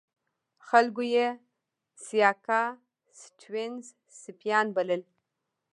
خلکو یې سیاکا سټیونز سپیان بلل.